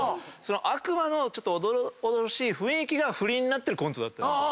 悪魔のおどろおどろしい雰囲気が振りになってるコントだったんですよ。